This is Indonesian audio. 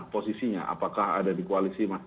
posisinya apakah ada di koalisi